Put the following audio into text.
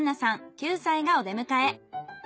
９歳がお出迎え。